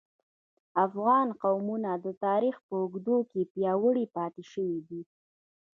افغان قومونه د تاریخ په اوږدو کې پیاوړي پاتې شوي دي